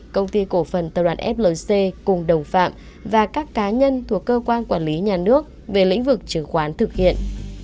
công ty cổ phần tập đoàn flc cùng đồng phạm và các cá nhân thuộc cơ quan quản lý nhà nước về lĩnh vực chứng khoán thực hiện